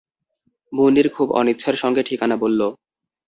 মুনির খুব অনিচ্ছার সঙ্গে ঠিকানা বলল।